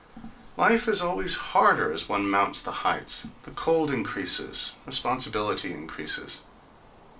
Life is always harder as one mounts the heights—the cold increases, responsibility increases.